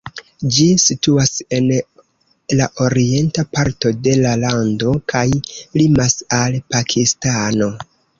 Ĝi situas en la orienta parto de la lando kaj limas al Pakistano.